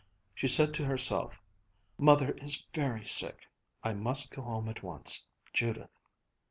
She said to herself: "Mother is very sick. I must go home at once. Judith."